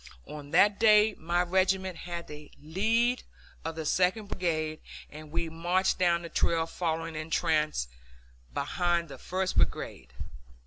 On that day my regiment had the lead of the second brigade, and we marched down the trail following in trace behind the first brigade.